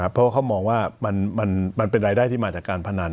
เพราะว่าเขามองว่ามันเป็นรายได้ที่มาจากการพนัน